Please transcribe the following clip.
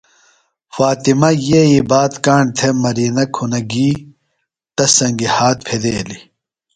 ۔فاطمہ یئی بات کاݨ تھےۡ مرینہ کُھنہ گیۡ تس سنگیۡ ہات پھدیلیۡ۔